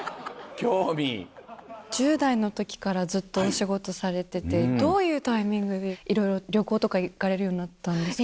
１０代の時からずっとお仕事されててどういうタイミングでいろいろ旅行とか行かれるようになったんですか？